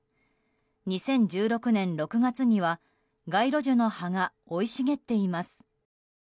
２０１６年６月には街路樹の葉が生い茂っています。